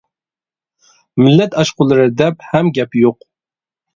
مىللەت ئاشقۇنلىرى دەپ ھەم گەپ يوق.